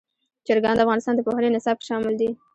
چرګان د افغانستان د پوهنې نصاب کې شامل دي.